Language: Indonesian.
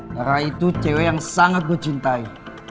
karena itu cewek yang sangat gue cintai